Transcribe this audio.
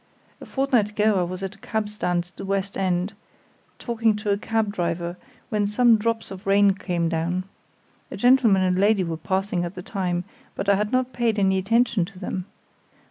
A fortnight ago I was at a cabstand at the West End, talking to a cab driver, when some drops of rain came down. A gentleman and lady were passing at the time, but I had not paid any attention to them.